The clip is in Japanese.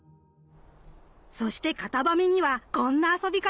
そしてカタバミにはこんな遊び方も！